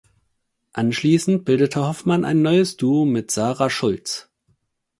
Anschließend bildete Hoffmann ein neues Duo mit Sarah Schulz.